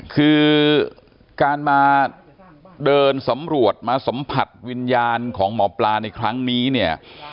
คือการมาเดินสำรวจมาสัมผัสวิญญาณของหมอปลาในครั้งนี้เนี่ย